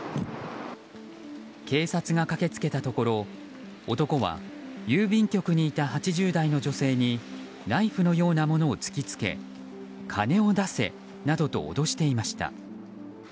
警察が駆けつけたところ男は郵便局にいた８０代の女性にナイフのようなものを突きつけ金を出せなどと脅していました。